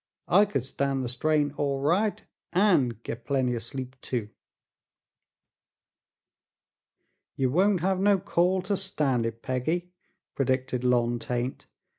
I could stan' the strain all right, an' get plenty o' sleep too." "Ye won't hev no call to stan' it, Peggy," pre dcted Lon Tait.